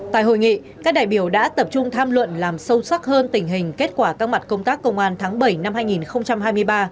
tại hội nghị các đại biểu đã tập trung tham luận làm sâu sắc hơn tình hình kết quả các mặt công tác công an tháng bảy năm hai nghìn hai mươi ba